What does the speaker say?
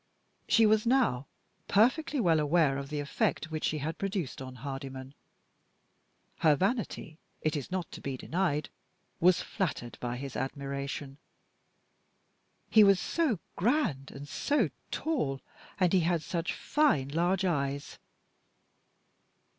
She was now perfectly well aware of the effect which she had produced on Hardyman. Her vanity, it is not to be denied, was flattered by his admiration he was so grand and so tall, and he had such fine large eyes.